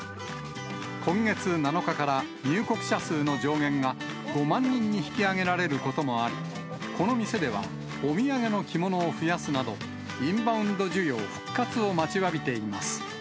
今月７日から、入国者数の上限が５万人に引き上げられることもあり、この店では、お土産の着物を増やすなど、インバウンド需要復活を待ちわびています。